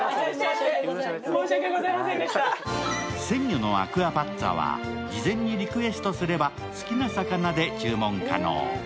鮮魚のアクアパッツァは事前にリクエストすれば好きな魚で注文可能。